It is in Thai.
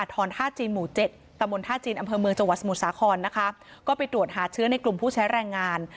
ก็ไปถูกตรวจหาเชื้อในกลุ่มผู้ใช้แรงงาน